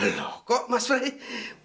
loh kok mas fahim